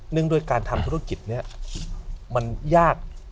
เนื่องด้วยการทำธุรกิจเนี่ยมันยาก